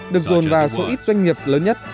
được dồn vào số ít doanh nghiệp lớn nhất